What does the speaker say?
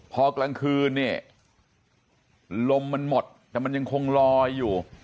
พอกลางคืนเนี่ยลมมันหมดแต่มันยังคงลอยอยู่